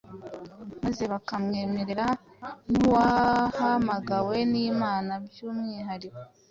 maze bakamwemera nk’uwahamagawe n’Imana by’umwuhariko